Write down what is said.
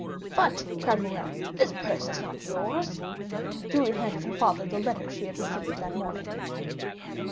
"But," cried Morrel, "this purse is not yours!" Julie handed to her father the letter she had received in the morning.